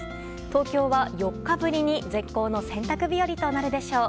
東京は４日ぶりに絶好の洗濯日和となるでしょう。